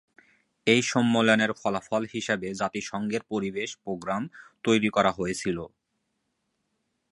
এই সম্মেলনের ফলাফল হিসাবে জাতিসংঘের পরিবেশ প্রোগ্রাম তৈরি করা হয়েছিল।